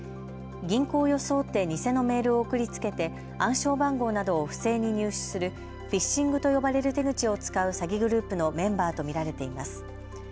銀行を装って偽のメールを送りつけて暗証番号などを不正に入手するフィッシングと呼ばれる手口を使う詐欺グループのメンバーと見られています。